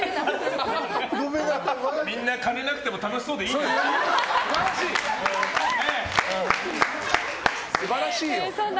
みんな金なくても楽しそうでいいな。